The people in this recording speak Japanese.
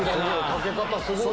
かけ方すごいね。